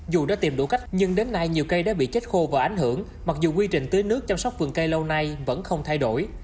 dù đã tìm đủ cách nhưng đến nay nhiều cây đã bị chết khô và ảnh hưởng mặc dù quy trình tưới nước chăm sóc vườn cây lâu nay vẫn không thay đổi